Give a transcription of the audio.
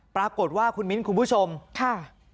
ปรากฏว่าคุณมิ้นคุณผู้ชมค่ะ